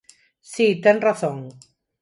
Si, ten razón.